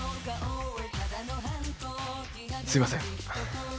すいません。